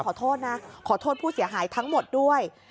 ขอโทษนะขอโทษผู้เสียหายทั้งหมดด้วย